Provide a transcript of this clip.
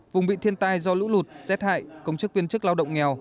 vùng bị thiên tai do lũ lụt rét hại công chức viên chức lao động nghèo